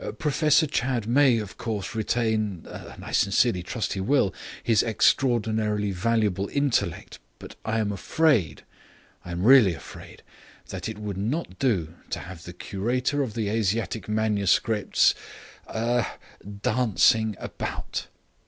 Professor Chadd may, of course, retain I sincerely trust he will his extraordinarily valuable intellect. But I am afraid I am really afraid that it would not do to have the curator of the Asiatic manuscripts er dancing about."